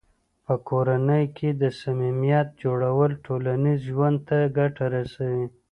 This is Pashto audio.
په کورنۍ کې د صمیمیت جوړول ټولنیز ژوند ته ګټه رسوي.